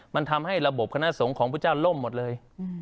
มันทำให้ระบบคณะสงฆ์ของพระเจ้าล่มหมดเลย